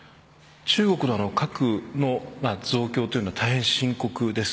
中国の核の増強は大変深刻です。